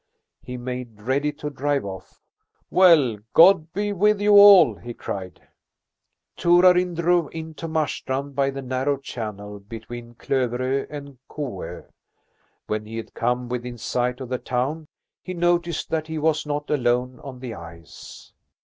He made ready to drive off. "Well, God be with you all!" he cried. Torarin drove in to Marstrand by the narrow channel between Klovero and Koo. When he had come within sight of the town, he noticed that he was not alone on the ice.